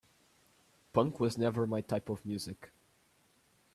Punk was never my type of music.